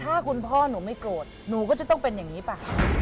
ถ้าคุณพ่อหนูไม่โกรธหนูก็จะต้องเป็นอย่างนี้ป่ะ